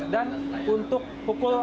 dan untuk pukul